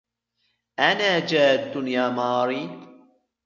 أنا جادٌّ يا ماري.